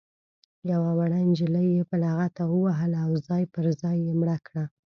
یوه وړه نجلۍ یې په لغته ووهله او ځای پر ځای یې مړه کړه.